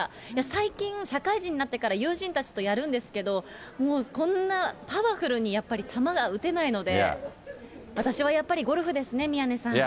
最近、社会人になってから友人たちとやるんですけど、もうこんな、パワフルに球が打てないので、私はやっぱりゴルフですね、宮根さん。